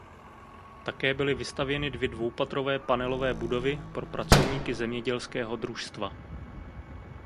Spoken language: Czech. Také byly vystavěny dvě dvoupatrové panelové budovy pro pracovníky zemědělského družstva.